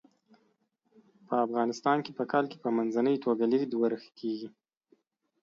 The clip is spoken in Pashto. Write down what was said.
په افغانستان کې په کال کې په منځنۍ توګه لږ ورښت کیږي.